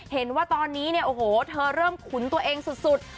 เห็นว่าตอนนี้เนี่ยโอ้โหเธอเริ่มขุนตัวเองสุด